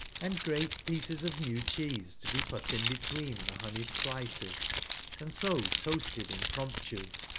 44e r and great pieces of new cheese to be put in between the hopeyed slices, and so toasted impromptu.